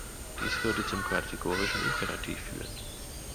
Dies würde zum kategorischen Imperativ führen.